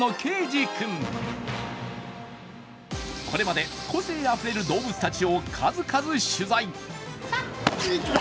これまで、個性あふれる動物たちを数々取材。